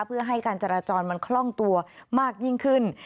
เพื่อให้การจราจรมันคล่องตัวมากยิ่งขึ้น